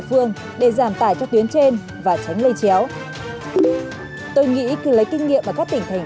phương để giảm tải cho tuyến trên và tránh lây chéo tôi nghĩ cứ lấy kinh nghiệm ở các tỉnh thành